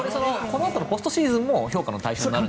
このあとのポストシーズンも評価の対象になる？